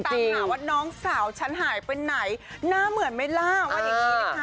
ตามหาว่าน้องสาวฉันหายไปไหนหน้าเหมือนไหมล่ะว่าอย่างนี้นะคะ